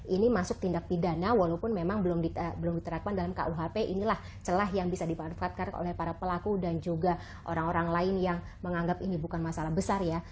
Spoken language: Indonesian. ini masuk tindak pidana walaupun memang belum diterapkan dalam kuhp inilah celah yang bisa dimanfaatkan oleh para pelaku dan juga orang orang lain yang menganggap ini bukan masalah besar ya